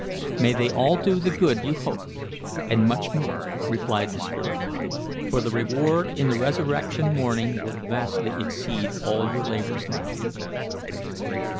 "May they do all the good you hope, and much more!" replied the spirit, "for the reward in the resurrection morning will vastly exceed all your labours now.